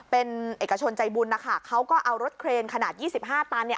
เป็นเอกชนใจบุญนะคะเขาก็เอารถเครนขนาดยี่สิบห้าตันเนี่ย